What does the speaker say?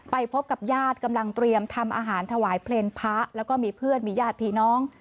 พบกับญาติกำลังเตรียมทำอาหารถวายเพลงพระแล้วก็มีเพื่อนมีญาติพี่น้อง